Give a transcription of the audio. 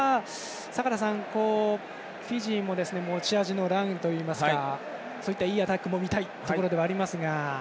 坂田さん、フィジーも持ち味のランといいますかそういった、いいアタックも見たいところではありますが。